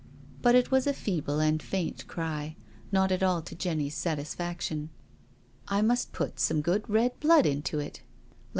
But it was a feeble and faint cry, not at all to Jenny's satisfaction. " I must put some good red blood into it— like